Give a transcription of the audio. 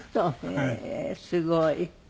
へえーすごい！